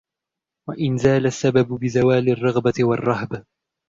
وَإِنْ زَالَ السَّبَبُ بِزَوَالِ الرَّغْبَةِ وَالرَّهْبَةِ